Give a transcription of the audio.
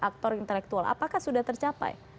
aktor intelektual apakah sudah tercapai